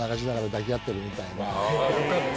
よかった！